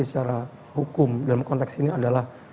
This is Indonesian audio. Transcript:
secara hukum dalam konteks ini adalah